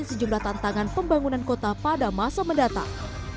sejumlah tantangan pembangunan kota pada masa mendatang